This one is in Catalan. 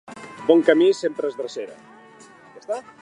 Bon camí sempre és drecera.